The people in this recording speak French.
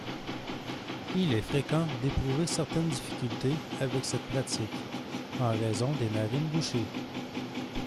Il est fréquent d'éprouver certaines difficultés avec cette pratique, en raison des narines bouchées.